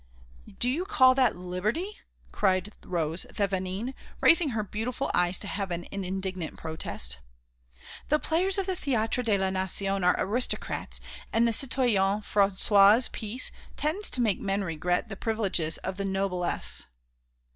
"Do you call that liberty?" cried Rose Thévenin, raising her beautiful eyes to heaven in indignant protest. "The players of the Théâtre de la Nation are aristocrats, and the citoyen François' piece tends to make men regret the privileges of the noblesse."